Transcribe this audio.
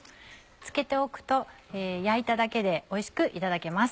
つけておくと焼いただけでおいしくいただけます。